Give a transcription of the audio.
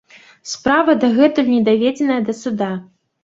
Справа дагэтуль не даведзеная да суда.